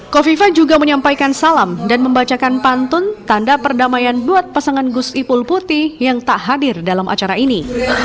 kofifa juga menyampaikan salam dan membacakan pantun tanda perdamaian buat pasangan gus ipul putih yang tak hadir dalam acara ini